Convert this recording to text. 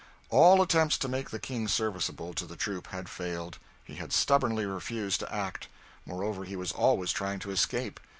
All attempts to make the King serviceable to the troop had failed. He had stubbornly refused to act; moreover, he was always trying to escape.